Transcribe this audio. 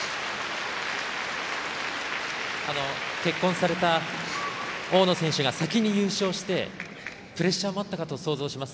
結婚された大野選手が先に優勝してプレッシャーもあったかと想像します。